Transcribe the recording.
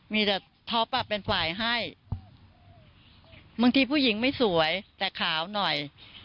มีแต่ท็อปเป็นฝ่ายให้บางทีผู้หญิงไม่สวยแต่ขาวหน่อย